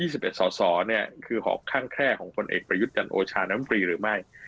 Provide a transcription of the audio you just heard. ๒๑ส่อคือหอกข้างแค่ของพลเอกประยุทธ์จันทร์โอชาธิ์น้ำปลีหรือไม่